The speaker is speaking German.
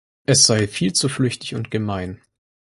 Es sei viel zu flüchtig und gemein.